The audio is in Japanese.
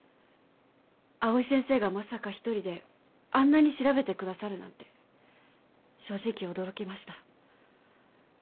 藍井先生がまさか一人であんなに調べてくださるなんて正直驚きました。